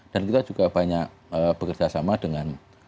dan kita juga banyak bekerjasama dengan